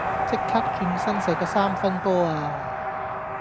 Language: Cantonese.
即刻轉身射個三分波呀